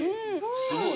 すごい。